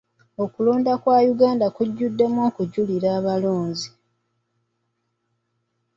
Okulonda kwa Uganda kujjuddemu okugulirira abalonzi.